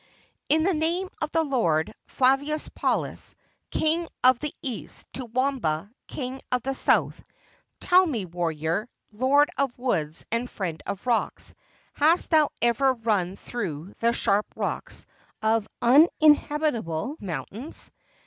] In the name of the Lord, Flavius Paulus, King of the East, to Wamba, King of the South. Tell me, warrior, lord of woods and friend of rocks, hast thou ever run through the sharp rocks of uninhabitable mountains?